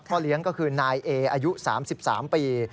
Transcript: เลี้ยงก็คือนายเออายุ๓๓ปี